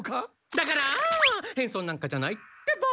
だから変装なんかじゃないってば。